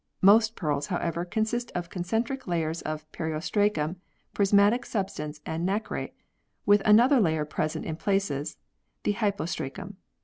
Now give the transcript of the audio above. Most pearls, however, consist of concentric layers of periostracum, prismatic sub stance and nacre, with another layer present in places the hypostracum.